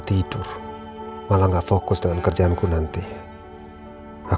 tidak melakukan tindak kriminal ya